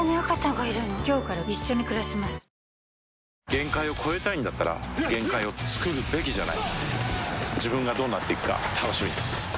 限界を越えたいんだったら限界をつくるべきじゃない自分がどうなっていくか楽しみです